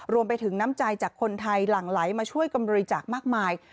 รวมไปถึงน้ำใจจากคนไทยหลั่งไหลมาช่วยกำบริจาคมากมาย